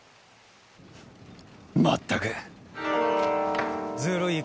まったくずるい方だ。